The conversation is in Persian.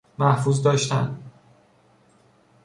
محفوظ داشتن